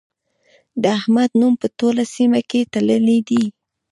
د احمد نوم په ټوله سيمه کې تللی دی.